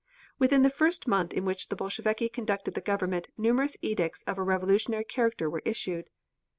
Within the first month in which the Bolsheviki conducted the government numerous edicts of a revolutionary character were issued.